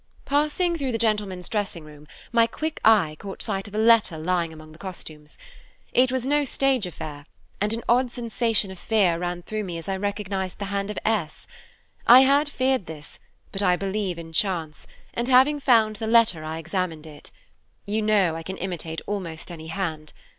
Passing throught the gentlemen's dressing room, my quick eye caught sight of a letter lying among the costumes. It was no stage affair, and an odd sensation of fear ran through me as I recognized the hand of S. I had feared this, but I believe in chance; and having found the letter, I examined it. You know I can imitate almost any hand.